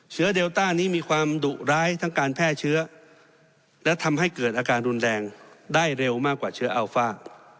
เดลต้านี้มีความดุร้ายทั้งการแพร่เชื้อและทำให้เกิดอาการรุนแรงได้เร็วมากกว่าเชื้ออัลฟ่า